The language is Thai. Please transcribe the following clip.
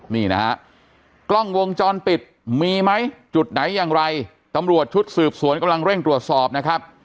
นี่นะฮะกล้องวงจรปิดมีไหมจุดไหนอย่างไรตำรวจชุดสืบสวนกำลังเร่งตรวจสอบนะครับ